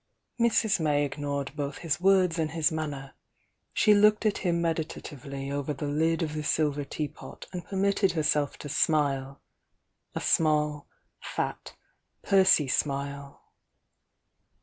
Mrs. May ignored both his words and his man ner. She looked at him meditatively over the lid of the silver teapot and permitted herself tc .>mile, — a small, fat, pursy smile.